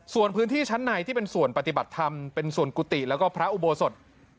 ส่วนพื้นที่ชั้นในที่เป็นส่วนปฏิบัติธรรมเป็นส่วนกุฏิแล้วก็พระอุโบสถ